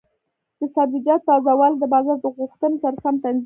د سبزیجاتو تازه والي د بازار د غوښتنې سره سم تنظیم شي.